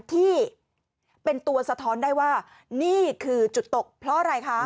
ที่เป็นตัวสะท้อนได้ว่านี่คือจุดตกเพราะอะไรคะ